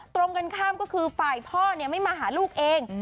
ตรงกันข้ามก็คือฝ่ายพ่อไม่มาหาลูกเอง